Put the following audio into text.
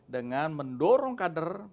dengan mendorong kader